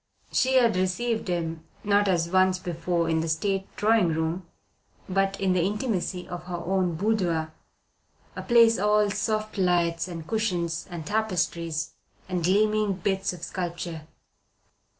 She had received him, not as once before in the state drawing room, but in the intimacy of her own boudoir, a place all soft lights and cushions and tapestries and gleaming bits of sculpture.